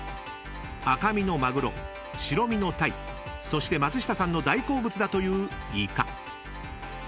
［赤身のマグロ白身のタイそして松下さんの大好物だというイカ］